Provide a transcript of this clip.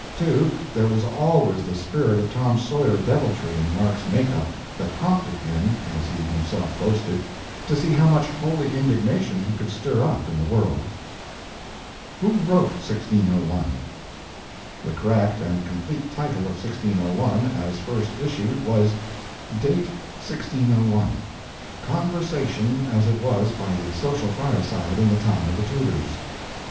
Too, there was always the spirit of Tom Sawyer deviltry in Mark's make up that prompted him, as he himself boasted, to see how much holy indignation he could stir up in the world. WHO WROTE 1601? The correct and complete title of 1601, as first issued, was: [Date, 1601.] 'Conversation, as it was by the Social Fireside, in the Time of the Tudors.'